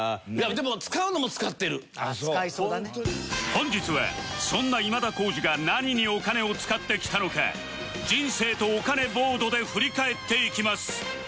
本日はそんな今田耕司が何にお金を使ってきたのか人生とお金ボードで振り返っていきます